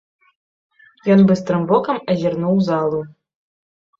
Ён быстрым вокам азірнуў залу.